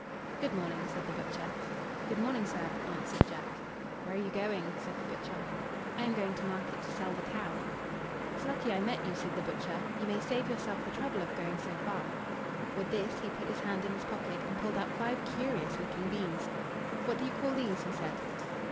"Good morning," said the butcher. "Good morning, sir," answered Jack. "Where are you going?" said the butcher. "I am going to market to sell the cow." "It's lucky I met you," said the butcher. "You may save yourself the trouble of going so far." With this, he put his hand in his pocket, and pulled out five curious looking beans. "What do you call these?" he said.